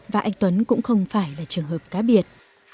và anh tuấn cũng không phải là trường hợp cá biệt